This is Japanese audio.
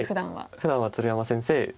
ふだんは「鶴山先生」って。